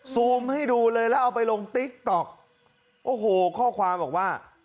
ซูมให้ดูเลยแล้วเอาไปลงติ๊กต๊อกโอ้โหข้อความบอกว่า